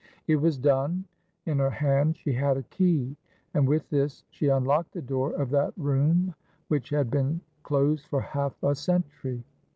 It was done. In her hand she had a key, and with this she unlocked the door of that room which had been closed for half a century.